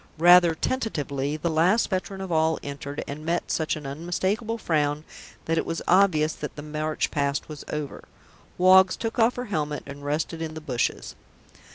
Rather tentatively the last veteran of all entered and met such an unmistakable frown that it was obvious that the march past was over. ... Woggs took off her helmet and rested in the bushes.